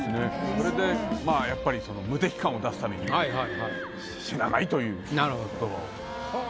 それでまぁやっぱり無敵感を出すために「死なない」という言葉を。